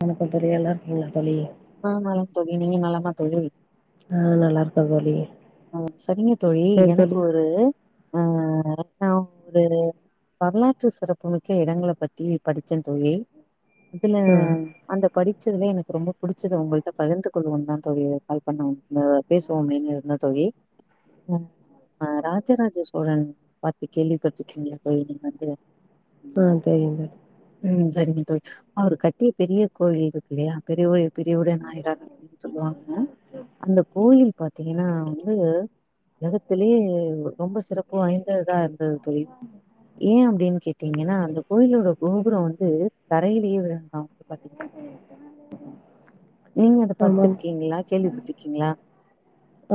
வணக்க தோழி நல்லாருக்கீங்ளா தோழி ஆ நல தோழி நீங்க நலமா தோழி ஆ நல்லாருக்கே தோழி ஆ செரிங்க தோழி சேரி எனக்கு தோழி ஒரு அ என்ன ஒரு வரலாற்று சிறப்புமிக்க எடங்கள பத்தி படிச்சே தோழி இதுல ஆ அந்த படிச்சதுல எனக்கு ரொம்ப புடிச்சத ஒங்கள்ட்ட பகிர்ந்து கொள்வோனுதா தோழி கால் பண்ணே ஒங்க பேசுவோமேனு இருந்த தோழி ம் ஆ ராஜ ராஜ சோழன் பாத்து கேள்விப்பட்ருக்கீங்ளா தோழி நீங்க வந்து ஆ தெரியுங்க ம் செரிங்க தோழி அவரு கட்டிய பெரிய கோவில் இருக்கு இல்லையா பெரிய கோயில் பெரியவுடயநாயகார் அப்டின் சொல்லுவாங்க அந்த கோயில் பாத்தீங்கனா இது ஒலகத்திலே ரொம்ப சிறப்பு வாய்ந்ததா இருந்தது தோழி ஏ அப்டின் கேட்டீங்கனா அந்த கோயிலோட கோபுர வந்து தரையிலயே விழுந்து நா வந்து பாத் நீங்க அத ஆமாம் படிச்சிருக்கீங்ளா கேள்விப்பட்ருக்கீங்ளா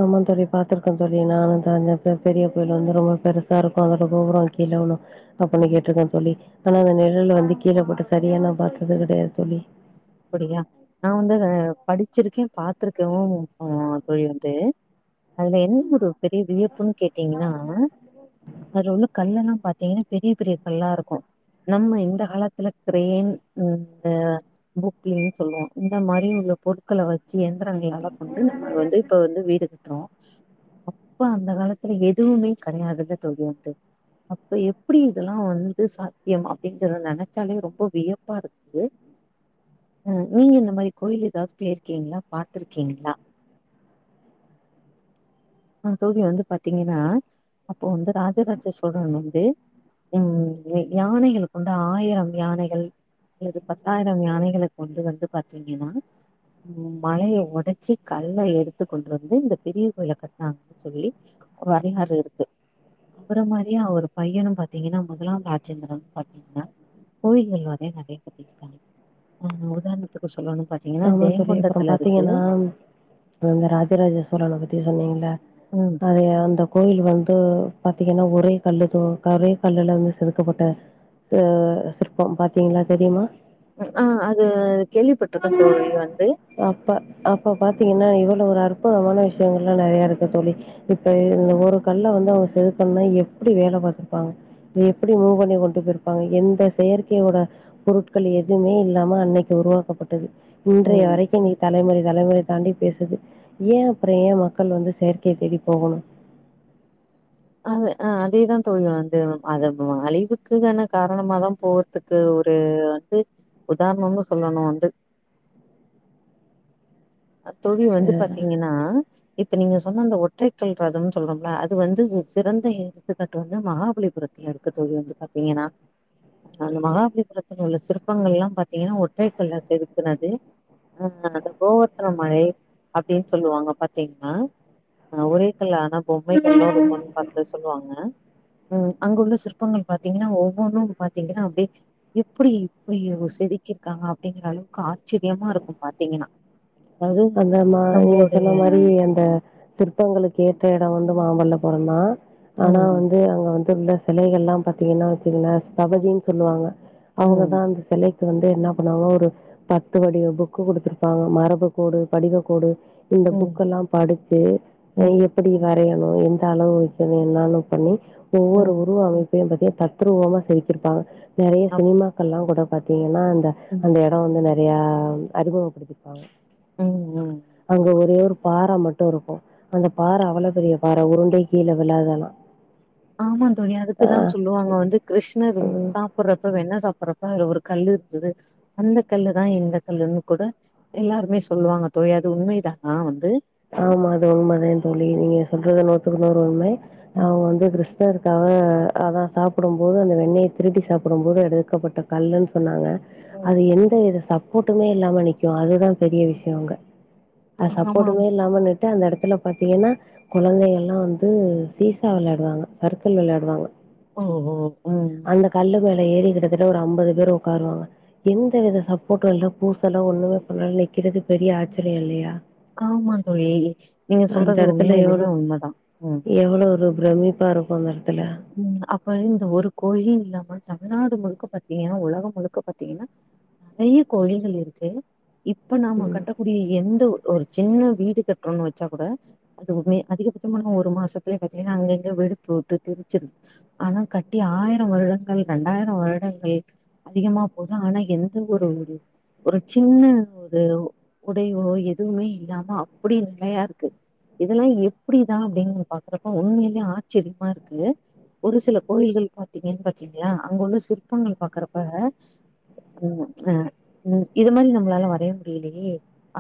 ஆமா தோழி பாத்துருக்கே தோழி நானு தா அங்க பெரிய கோயிலு வந்து ரொம்ப பெருசா இருக்கு அதோட கோபுர கீழ விழு அப்பிட்னு கேட்ருக்கே தோழி ஆனா அந்த நிழல் வந்து கீழ போட்டு சரியா நா பாத்தது கெடையாது தோழி அப்பிடியா நா வந்து அத படிச்சிருக்கே பாத்திருக்கேவு ஆ தோழி வந்து அதுல என்ன ஒரு பெரிய வியப்புனு கேட்டீங்கனா அதுல உள்ள கல்லெல்லா பாத்தீங்கனா பெரிய பெரிய கல்லா இருக்கு நம்ம இந்த காலத்துல கிரேன் இந்த பொக்லேனு சொல்வோ இந்த மாரி உள்ள பொருட்கள வச்சு எந்திரங்களால கொண்டு நம்ம வந்து இப்ப வந்து வீடு கட்ரோ அப்ப அந்த காலத்துல எதுவுமே கெடையாதுல தோழி வந்து அப்ப எப்டி இதெல்லா வந்து சாத்தியம் அப்டீங்கிறத நெனச்சாலே ரொம்ப வியப்பா இருக்குது ம் நீங்க இந்த மாரி கோயில் எதாவ்து போயிருக்கீங்ளா பாத்திருக்கீங்ளா அ தோழி வந்து பாத்தீங்கனா அப்றோ வந்து ராஜ ராஜா சோழன் வந்து ம் ய யானைகள கொண்டு ஆயிரம் யானைகள் அல்லது பத் த்தாயிரம் யானைகள கொண்டு வந்து பாத்தீங்கனா ம் மலைய ஒடச்சி கல்ல எடுத்து கொண்டு வந்து இந்த பெரிய கோயில கட்னாங்க சொல்லி வரலாறு இருக்கு அவர மாரியே அவரு பையனு பாத்தீங்கனா முதலாம் ராஜேந்திரன் பாத்தீங்கனா கோயில்கள் நெறைய நெறைய கட்டிருக்காங்க ஆ உதாரணத்துக்கு சொல்லணுன் பாத் ஆமா தோழி அப்பறோ பாத்தீங்கனா இந்த ராஜராஜ சோழன பத்தி சொன்னீங்கள்ல ம் அது அந்த கோயில் வந்து பாத்தீங்கனா ஒரே கல்லுக்கு ஒரே கல்லுல வந்து செதுக்கப்பட்ட அ சிற்பம் பாத்தீங்களா தெரியுமா ஆ அது கேள்விப்பட்ருக்கே தோழி வந்து அப்ப அப்ப பாத்தீங்கன்னா இவ்ளோ ஒரு அற்புதமான விஷயங்கல்லா நெறைய இருக்கு தோழி இப்ப இந்த ஒரு கல்ல வந்து அவங்க செதுக்கன்னா எப்டி வேல பாத்திருப்பாங்க எப்டி மூவ் பண்ணி கொண்டு போயிருப்பாங்க எந்த செயற்கையோட பொருட்கள் எதுமே இல்லாம அன்னெக்கு உருவாக்கப்பட்டது இன்றைய உம் வரைக்கு நீ தலைமுறை தலைமுறை தாண்டி பேசுது ஏ அப்புறோ ஏ மக்கள் வந்து செயற்கைய தேடி போகணு அது அ அதேதா தோழி வந்து அது அழிவுக்குக்கான காரணமாதா போது துக்கு ஒரு வந்து உதாரணம்னு சொல்லணு வந்து தோழி வந்து அ. பாத்தீங்கன்னா இப்ப நீங்க சொன்ன அந்த ஒற்றைக்கல் ரதம்ன்னு சொல்றோம்ல அது வந்து சிறந்த எடுத்துக்காட்டு வந்து மகாபலிபுரத் துல இருக்கு தோழி வந்து பாத்தீங்கன்னா அந்த மகாபலிபுரத்தில உள்ள சிற்பங்கள் எல்லாம் பார்த்தீங்கன்னா ஒற்றைகல்ல செதுக்குனது உஹம் அந்த கோவரத்தன மழை அப்படின்னு சொல்லுவாங்க பாத்தீங்கன்னா ஒரே கல்ல ஆனா பொம்மைக்கல்ல இருக்கும்ன்னு பாத்து சொல்லுவாங்க உம் அங்க உள்ள சிற்பங்கள் பாத்தீங்கன்னா ஒவ்வொன்னும் பாத்தீங்கன்னா அப்டி எப்படி இப்ப ய செதுக்கிருக்காங்க அப்படிங்கற அளவுக்கு ஆச்சரியமா இருக்கும் பாத்தீங்கன்னா அதாவது அந்த மா நீங்க நம்மளுடைய சொன்ன மாரி அந்த பங்களுக்கு ஏற்ற இடம் வந்து மாமல்லபுரம் தான் ஆனா ம் வந் து அங்க வந்து உள்ள சிலைகள் எல்லாம் பாத்தீங்கன்னா வச்சுகுங்க ம் தவதின்னு சொல்லுவாங்க ம் அவங்கதான் அந்த சிலைக்கு வந்து என்ன பண்ணுவாங்க ஒரு பத்து வடிவ புக்கு கொடுத்துருப்பாங்க மரபு கோடு படிவ கோடு இந்த ம் புக்கெல்லாம் படிச்சு ம் எப்படி வரையணும் எந்த அளவு வைக்கணும் என்னன்னு பண்ணி ஒவ்வொரு ம் உருவ அமைப்பையும் பத்தி தத்ரருவமா செதுக்கிருப்பாங்க நிறைய அப் சினிமாக்கல்லாம் கூட பாத் தீங்கன்னா அந்த ம் அந்த இடம் வந்து நிறைய அறிமுகப்படுத்திருப்பாங்க உம் உம் அங்க ஒரே ஒரு பார மட்டும் இருக்கும் அந்த பாற அவ்வளவு பெரிய பாற உருண்டை கீழே விளையாதலாம் ஆமா தோழி அதுக்குதான் சொல் ல்லுவாங்க வந்து கிருஷ்ணர் சாப்பிடுறப்ப வெண்ண சாப்பிடுறப்ப அதுல ஒரு கல் இருந்தது அந்த கல்லுதான் இந்த கல்லுன்னு கூட எல்லாருமே சொல்லுவாங்க தோழி அது உண்மைதானா வந்து ஆமா அது உண்மை தான் தோழி நீங்க சொல்றது நூறத்துக்குநூரு உண்மை அவன் வந்து கிருஸ் அ இருக்காக அதான் சாப்பிடும் போது அந்த வெண்ணெயை திருட்டி சாப்பிடும் போது எடுக்கப்பட்ட கல்லுன்னு சொன்னாங்க அது எந்த வித சப்போர்ட்டுமே இல்லாம நி்க்கும் அதுதான் பெரிய விஷயம் அங்க அது சப்போர்ட் ஆமாம் ஆம நெட்டு அந்த இடத்துல பாத்தீங்கன்னா குழந்தைங்கல்லாம் வந்து சீசா விளையாடுவாங்க சற்கள் விளையாடுவாங்க ம் ம் ம் அந்த கல்ல மேல ஏறி கிட்டத்தட்ட ஒரு ஐம்பது பேர் உட்காருவாங்க எந்த வித சப்போர்ட்டும் இல்ல பூசெல ஒண்ணுமே பண்ணல நிற்கிறது பெரிய ஆச்சரியம் இல்லையா காமா தோழி நீங்க அந்த சொல்றது உண்மையிலுமே உண்மைதான் உம் அவ்வளோ ஒரு பிரமிப்பா இருக்கும் அந்த இடத்துல உம் அப்ப இந்த ஒரு கோயி இல்லாம தமிழ்நாடு முழுக்க பாத்தீங்கன்னா உலகம் முழுக்க பாத்தீங்கன்னா நிறைய கோயில்கள் இருக்கு இப்ப நம்ம கட்ட கூடி எந்த ஒரு சின்ன வீடு கட்டணும்ன்னு வச்சா கூட அது உம்மே அதிகபட்சமான ஒரு மாசத்துலய பாத்தீங்கன்னா அங்க இங்க வெடிப்பு வுட்டு பிரிச்சிருது ஆனா கட்டி ஆயிரம் வருடங்கள் ரண்டாயிரம் வருடங்கள் அதிகமா போது ஆனா எந்த ஒரு ஒரு சின்ன ஒரு உடையோ எதுவுமே இல்லாம அப்டி நெறையா இருக்கு இதெல்லா எப்டிதா அப்டின்னு பாக்குறப்போ உண்மையிலயே ஆச்சர்யமா இரு க்கு ஒரு சில கோயில்கள் பாத்தீங்கன் பாத்தீங்களா அங்க உள்ள சிற்பங்கள் பாக்குறப்ப ம் ஆ ம் இது மாரி நம்மளால வரைய முடியலையே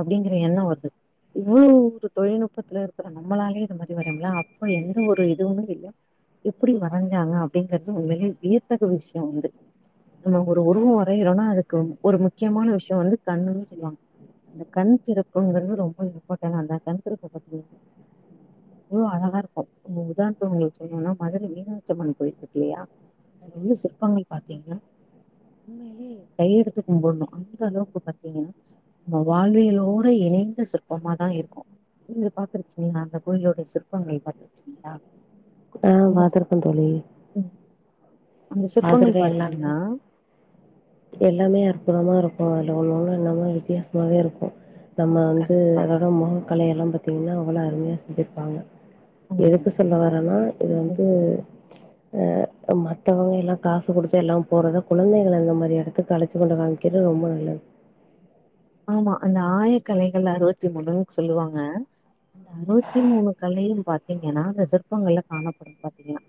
அப்டிங்கிற எண்ணோ வருது இவ்ளோ ஒரு தொழில்நுட்பத்துல இருக்குற நம்மளாலயே இது மாரி வரய முடியல அப்ப எந்த ஒரு இதுவுமே இல்ல எப்டி வரஞ்சாங்க அப்டிங்கிறது உண்மையிலயே வியத்தகு விஷயோ வந்து நம்ம ஒரு உருவோ வரையுறோன்னா அதுக்கு ஒரு முக்கியமான விஷயோ வந்து கண்ணுன்னு சொல்லுவாங்க அந்த கண் திறப்புங்கிறது ரொம்ப இம்பார்டன்ட் அந்த கண் திறப்ப பாத்தீங்கன்னா அவ்ளோ அழகா இருக்கு உங்க உதாரணதுக்கு உங்களுக்கு சொல்லனும்னா மதுர மீனாட்சி அம்மன் கோயில் இருக்கு இல்லையா அதுல உள்ள சிற்பங்கள் பாத்தீங்கன்னா உண்மையிலயே கையெடுத்து கும்ட்னு அந்த அளவுக்கு பாத்தீங்கன்னா நம்ம வாழ்வியலோட இணைந்த சிற்பமாதா இருக்கு நீங்க பாத்துருக்கீங்களா அந்த கோயிலோட சிற்பங்கள் பாத்துருக்கீங்களா ஆ பாத்துருக்கே தோழி ம் அந்த சிற்பங்கள் பாத்துருக்கே எல்லாமே பாத்தீங்கன்னா எல்லாமே அற்புதமா இருக்கு அதுல ஒண்ணு ஒண்ணு எல்லாமே வித்தியாசமாவே இருக்கு நம்ம ம் வந்து கண்டிப்பா அதோட மொகக்கலை எல்லா பாத்தீங்கன்னா அவ்ள அருமையா செஞ்சிருப்பாங்கா ம் எதுக்கு சொல்ல வர்றேன்னா இது ம் வந்து ஆ மத்தவங்க நல்ல காசு குடுத்து எல்லாம் போறது கொழந்தைங்கள அந்த மாரி எடத்துக்கு அழச்சி கொண்டு காமிக்கறது ரெம்ப நல்லது ஆமா அந்த ஆயாக்கலைகள் அறுவத்தி மூணுன்னு சொல்லுவாங்க அந்த அறுவத்தி மூணு கலையு பாத்தீங்கன்னா அந்த சிற்பங்கள்ல காணப்படும் பாத்தீங்கன்னா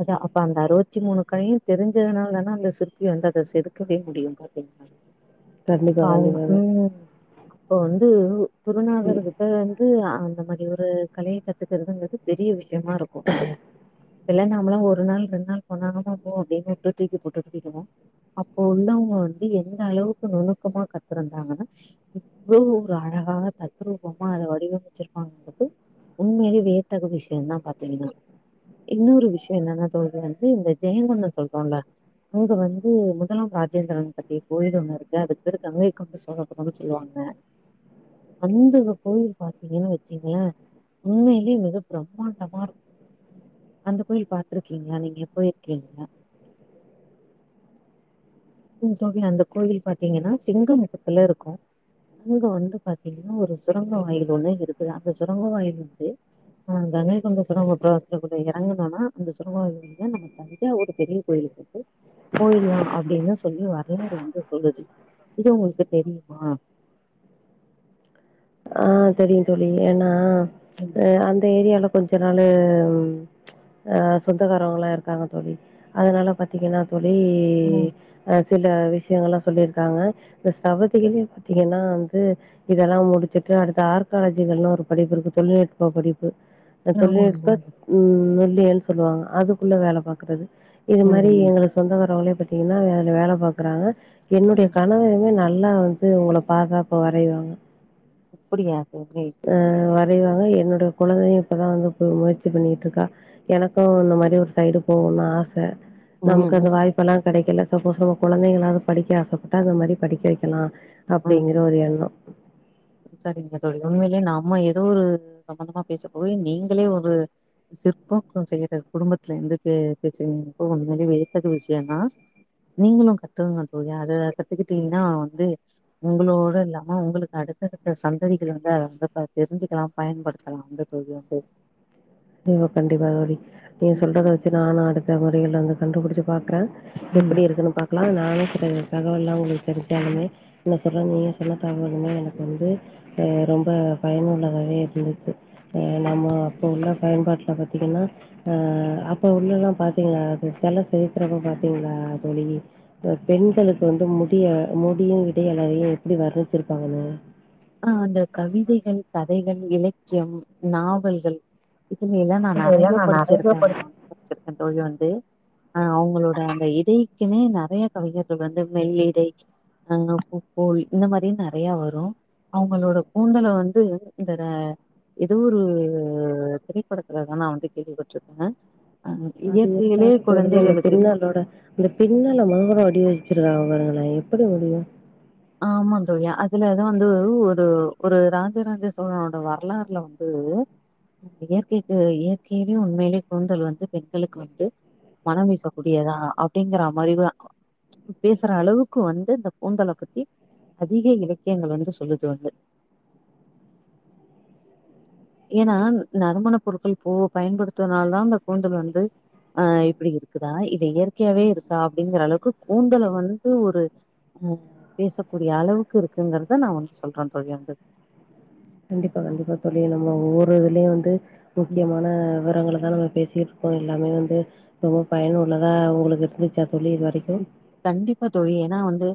அதா அப்ப அறுவத்தி மூணு கலையு தெரிஞ்சாதுனாலதான அந்த சிற்பி வந்து அத செதுக்கவே முடியு பாத்திங்கன்னா கண்டிப்பா கண்டிப்பாங்க ம் அப்ப வந்து குருநாதர் கிட்ட வந்து அந்த மாரி ஒரு கலைய கத்துக்கிறதுங்கிறது பெரிய விஷயமா இருக்கு வந்து இல்ல நாமல்லா ஓரு நாள் ரெண்டு நாள் போனா ஆமா போ அப்டின்னு வுட்டு தூக்கி போட்டுட்டு போய்டுவோ அப்ப உள்ளவங்க வந்து எந்த அளவுக்கு நுணுக்கமா கத் துருந்தாங்கன்னா இவ்ளோ ஒரு அழகா தத்ரூபமா அத வடிவமைச்சிருப்பாங்கங்கிறது உண்மையிலயே வியத்தகு விஷயந்தா பாத்திங்கன்னா இன்னொரு விஷயோ என்னன்னா தோழி வந்து இந்த ஜெயங்கொண்ட சொல்றோல்ல அங்க வந்து முதாலாம் ராஜேந்திரன் பத்திய கோயில் ஒண்ணு இருக்கு அதுக்கு பேரு கங்கை கொண்ட சோழபுரம் சொல்லுவாங்க அந்த கோயில் பாத்தீங்கன்னு வச்சீங்களே உண்மையிலயே மிக பிரம்மாண்டமா இருக்கு அந்த கோயில் பாத்துருக்கீங்களா நீங்க போய் இருக்கீங்களா ம் தோழி அந்த கோயில் பாத்தீங்கன்னா சிங்க முகத்துல இருக்கு அங்க வந்து பாத்தீங்கன்னா ஒரு சுரங்கா வாயில் ஒண்ணு இருக்குதா அந்த சுரங்க வாயில் வந்து ஆ கங்கை கொண்ட சுரங்க பாதத்துகுள்ள இறங்கனுன்னா அந்த சுரங்க வாயில் வழியா நம்ம அதுதா ஒரு பெரிய கோயிலுக்கு வந்து கோயில்தா அப்டின்னு சொல்லி வரலாறு வந்து சொல்லுது இது உங்களுக்கு தெரியுமா ஆ தெரியு தோழி ஏன்னா ம் ஆ அந்த ஏரியால கொஞ்ச நாளு ஆ சொந்தக்காரங்வங்கல்லா இருக்காங்க தோழி அதனால பாத்தீங்கன்னா தோழி ம். ஆ சில விஷயங்கல்லா சொல்லிருக்காங்க இப்ப சவதிலயுமே பாத்தீங்கன்னா வந்து இதெல்லா முடிச்சிட் க்கு அடுத்து ஆர்காலஜினு ஒரு படிப்பு இருக்கு தொழில் நுட்ப படிப்பு இந்த ஆமா. தொழில் ஆமா நுட்ப தோழி. ம் தொல்லியல்னு சொல்லுவாங்க அதுக்குள்ள வேல பாக்குது அது இதுமாரி ம். எங்க சொந்தக்காரங்களே பாத்திங்கனா அதுல வேலை பாக்குறாங்க என்னுடைய ம். கணவருமே நல் நல்லா வந்து ஒங்கள பாத்தா இப்ப வரைவாங்க அப்படியா தோழி ஆ வரைவாங்க, என்னேடா கொழந்தையு இப்பாதா வந்து இப்ப முயற்சி பண்ணிட்டு இருக்கா எனக்கு இந்த மாரி ஒரு சைடு போகுனுனு ஆச ம். நமக்கு அந்த ம். வாய்ப்புலா கெடைக்கல சாப்பேஸ் நம்ம குழந்தைங்களாது படிக்க ஆசைப்பாட்ட அந்த மாரி படிக்க வெக்கலா ஆமா. அப்டிங்குற ஒரு எண்ணோ சரிங்க தோழி, உண்மையிலேயே நம்ம எதோ ஒரு சம்பந்தாமா பேச போய் நீங்களே ஒரு சிற்பம் செய்யறா குடுப்பத்துல இருந்து பே பேசுறீங்கறப்போ உண்மைலே வியத்தகு விஷயந்தா நீங்களு கத்துக்கோங்க தோழி அதா கத்துக்கிட்டிங்கனா வந்து உங்களோட இல்லாம உங்களுக்கு அடுத் தடுத்த சந்ததிகள் வந்து அத வந்து இப்ப தெரிஞ்சிக்கலா பயன்படுத்தலாம்ல தோழி வந்து கண்டிப்பா கண்டிப்பா தோழி, நீங்க சொல்றத வச்சி நானு அடுத்த முறையில வந்து கண்டு புடிச்சி பாக்குற ம் எப்படி இருக்கு பாக்கலா நானே இது பத்துன தகவல்லா உங்ககிட்ட [unintelligible] என்ன சொல்ற நீங்க சொன்ன தகவல்லா எனக்கு வந்து ஆ ரெம்ப பயனுள்ளதாகவே இருந்துச்சு, அ நம்ம அப்போ உள்ள பயன்பாட்டுல பாத்திங்கனா ஆ அப்ப உள்ளதுலா பாத்திங்களா சிலை செதுக்குறப்ப பாத்திங்களா தோழி அ பெண்களுக்கு வந்து முடிய முடியு இடை அழகையும் எப்டி வர்ணிச்சிருப்பாங்கனு ஆ அந்த கவிதைகள் கதைகள் இலக்கியம் நாவல்கள் இதுல எல்லா நா நெறையா இதெல்லாம் நான் நெறைய படிச்சிருக்கே படிச்சிருக்கேன். படிச்சிருக்கே தோழி வந்து அ அவங்களோட அந்த இடைக்குமே நெறையா கவிஞர்கள் வந்து மெல்லிடை அ பூப்போல் இந்த மாரியு நெறையா வரு அவங்களோட கூண்தல வந்து இதுல ஏதோ ஒரு திரைப்படத்துலதா நா வந்து கேள்விப்பட்ருக்கே அது இருந்தாலு தோழி அந்த பின்னலோட இந்த பின்னல நேரா வடிவமைச்சிருக்காங்க பாருங்களே எப்டி முடியு ஆமா தோழி அதுலதா வந்து ஒரு ஒரு ராஜராஜசோழனோட வரலாறுல வந் து இயற்கைக்கு இயற்கையிலயே உண்மைலேயே கூந்தல் வந்து பெண்களுக்கு வந்து மணம் வீசக்கூடியதா அப்டிங்கற மாரிதா பேசுற அளவுக்கு வந்து இந்த கூந்தல பத்தி அதிக இலக்கியங்கள் வந்து சொல்லுது வந்து ஏன்னா நறுமணப் பொருட்கள் பூவ பயன்படுத்துவதுனாலதா அந்த கூந்தல் வந்து அ இப்டி இருக்குதா இது இயற்கையாவே இருக்கா அப்டிங்கிற அளவுக்கு கூந்தல வந்து ஒரு ஆ பேசக்கூடிய அளவுக்கு இருக்குங்கிறத நா வந்து சொல்றே தோழி வந்து கண்டிப்பா கண்டிப்பா தோழி நம்ம ஒவ்வொரு இதுலயு வந்து ம் முக்கியமான விவரங்களதா நம்ம பேசிருக் கோ எல்லாமே வந்து ரொம்ப பயனுள்ளதா உங்களுக்கு இருந்துச்சா தோழி இது வரைக்கு கண்டிப்பா தோழி ஏன்னா வந்து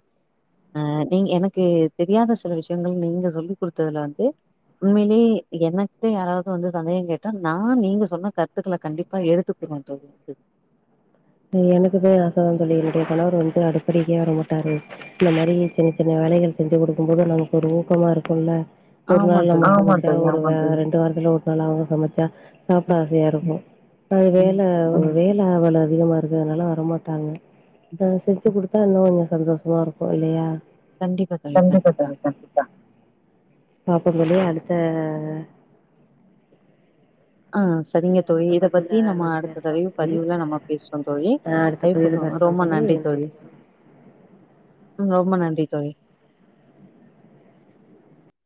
அ நீங்க எனக்கு தெரியாத சில விஷயங்கள் நீங்க சொல்லிகுடுத்ததுல வந்து உண்மைலே எனக்கு யாராவது வந்து சந்தேக கேட்டா நா நீங்க சொன்ன கருத்துக்கள கண்டிப்பா எடுத்துக் கூறுவ தோழி ரொம்ப எனக்குமே ஆசைதா தோழி என்னுடைய கணவர் வந்து அடுப்படிக்கே வர மாட்டாரு இந்த மாரி சின்ன சின்ன வேலைகள் செஞ்சு குடுக்கும்போது நமக்கு ஒரு ஊக்கமா இருக்கு இல்ல ஒரு ஆமா நாள் தோழி ஆமா தோழி [inaudible] ரெண்டு வாரத்துல ஒரு நாள் அவுங்க சமச்சா சாப்ட ம் ஆசையா இருக்கு அது வேல ம் வேல அவள அதிகமா இருக்குரதுனால வரமாட்டாங்க ம். அ செஞ்சு குடுத் த்தா [unintelligible] கொஞ்சோ சந்தோஷமா இருக்கு இல்லயா கண்டிப்பா தோழி கண்டிப்பா பாப்போந் தோழி அடுத்த ஆ செரிங்க தோழி அடுத்த இத பதிவுல பத்தி நம்ம அடுத்த பேசலா தடவியு தோழி பதிவுல நம்ம பேஸ்வோ தோழி ஆ அடுத்த பதிவுல வாய்ப்புக்கு பேசலா ரொம்ப நன்றி தோழி ரொம்ப நன்றி தோழி